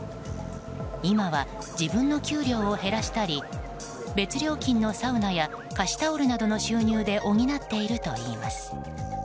今は自分の給料を減らしたり別料金のサウナや貸しタオルなどの収入で補っているといいます。